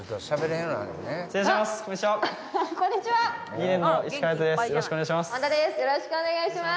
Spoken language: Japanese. よろしくお願いします